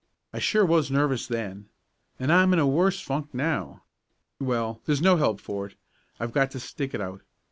"I sure was nervous then, and I'm in a worse funk now. Well, there's no help for it. I've got to stick it out.